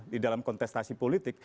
di dalam kontestasi politik